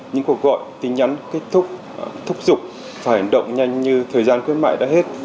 những cuộc gọi tin nhắn kết thúc thúc giục phải động nhanh như thời gian khuyến mại đã hết